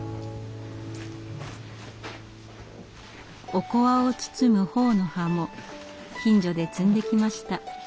おこわを包むほおの葉も近所で摘んできました。